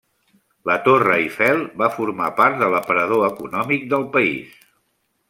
La Torre Eiffel va formar part de l'aparador econòmic del país.